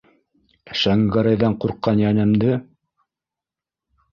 Шәңгәрәйҙән ҡурҡҡан йәнемде?!